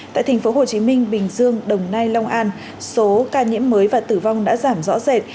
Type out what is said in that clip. tại thành phố hồ chí minh bình dương đồng nai long an số ca nhiễm mới và tử vong đã giảm rõ rệt